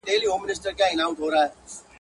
ژوند له دې انګار سره پیوند لري !.